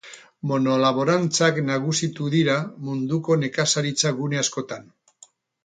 Monolaborantzak nagusitu dira munduko nekazaritza gune askotan.